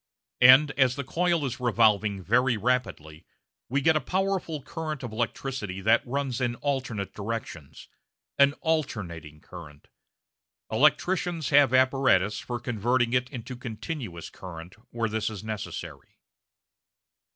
And as the coil is revolving very rapidly we get a powerful current of electricity that runs in alternate directions an "alternating" current. Electricians have apparatus for converting it into a continuous current where this is necessary.